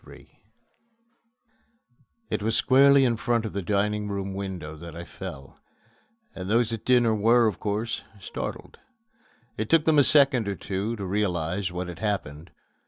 III It was squarely in front of the dining room window that I fell, and those at dinner were, of course, startled. It took them a second or two to realize what had happened.